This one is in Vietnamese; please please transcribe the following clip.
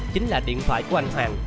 chính là điện thoại của anh hoàng